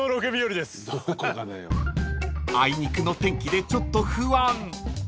［あいにくの天気でちょっと不安］